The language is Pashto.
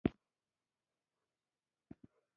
د اوړي موسم کي ننګرهار ډير ګرم وي